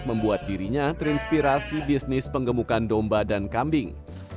membuat dirinya terinspirasi bisnis penggemukan domba dan kambing